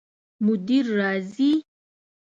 مدیر راځي؟